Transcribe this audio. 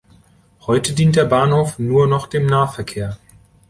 Heute dient der Bahnhof nur noch dem Nahverkehr.